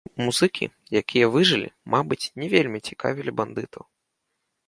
Музыкі, якія выжылі, мабыць, не вельмі цікавілі бандытаў.